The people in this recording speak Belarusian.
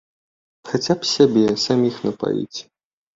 Хаця б сябе саміх напаіць.